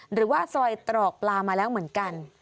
หรือว่าซอยตรอกปลามาแล้วเหมือนกัน